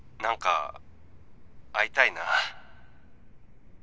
何か会いたいな。